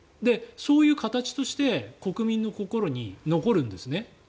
そういう形として国民の心に残るんですね。